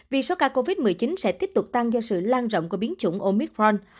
vì số ca covid một mươi chín sẽ tiếp tục tăng do sự lan rộng của biến chủng omithfron